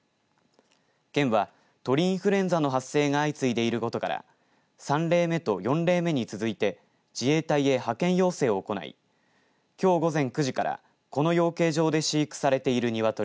県は鳥インフルエンザの発生が相次いでいることから３例目と４例目に続いて自衛隊へ派遣要請を行いきょう午前９時からこの養鶏場で飼育されている鶏